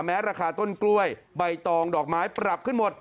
ราคาต้นกล้วยใบตองดอกไม้ปรับขึ้นหมด